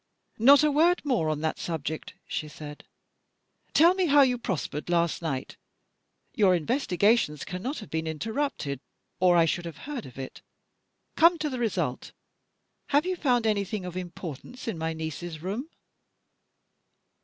"Not a word more on that subject," she said. "Tell me how you prospered last night. Your investigations cannot have been interrupted, or I should have heard of it. Come to the result! Have you found anything of importance in my niece's room?"